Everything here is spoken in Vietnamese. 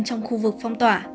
trong khu vực phong tỏa